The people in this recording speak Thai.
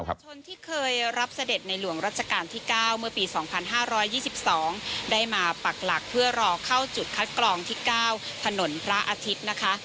ชนที่เคยรับเสด็จในหลวงรัชกาลที่๙เมื่อปี๒๕๒๒ได้มาปักหลักเพื่อรอเข้าจุดคัดกรองที่๙ถนนพระอาทิตย์นะคะ